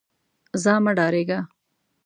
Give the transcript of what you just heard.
ځه مه ډارېږه.